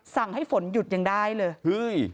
สั่งให้ฝนหยุดอย่างได้เลย